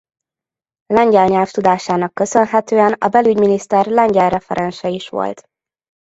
Lengyel nyelvtudásának köszönhetően a belügyminiszter lengyel referense is volt.